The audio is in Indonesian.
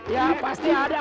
ya pasti ada